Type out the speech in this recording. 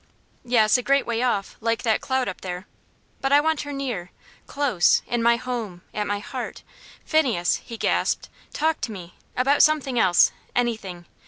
"Yes, a great way off, like that cloud up there. But I want her near close in my home at my heart; Phineas," he gasped, "talk to me about something else anything.